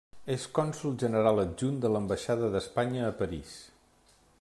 És cònsol general adjunt de l'ambaixada d'Espanya a París.